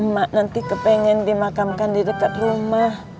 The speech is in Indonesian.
mak nanti kepengen dimakamkan di dekat rumah